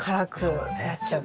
そうだね。